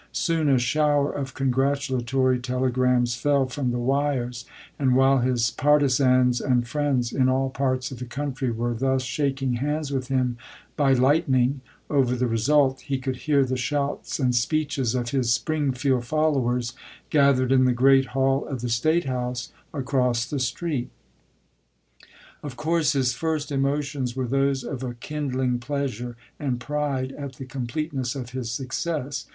Soon a shower of congratulatory telegrams fell from the wires, and while his partisans and friends in all parts of the country were thus shaking hands with him " by lightning " over the result, he could hear the shouts and speeches of his Springfield followers, gathered in the great hall of the State house across the street. Of course his first emotions were those of a kin dling pleasure and pride at the completeness of his success.